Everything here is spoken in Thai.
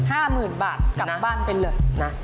ห้าหมื่นบาทกลับบ้านไปเลยนะ